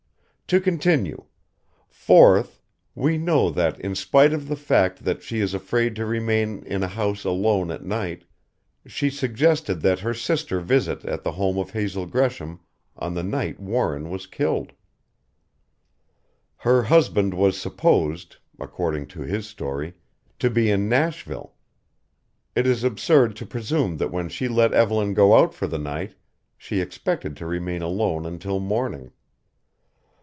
To continue fourth, we know that in spite of the fact that she is afraid to remain in a house alone at night, she suggested that her sister visit at the home of Hazel Gresham on the night Warren was killed. Her husband was supposed according to his story to be in Nashville. It is absurd to presume that when she let Evelyn go out for the night she expected to remain alone until morning.